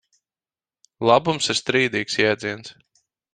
Labums ir strīdīgs jēdziens.